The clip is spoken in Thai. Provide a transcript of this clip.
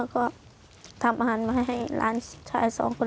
แล้วก็ทำอาหารมาให้ร้านชาย๒คน